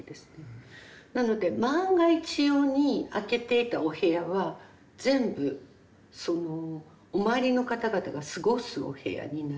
なので万が一用に空けていたお部屋は全部そのお参りの方々が過ごすお部屋になり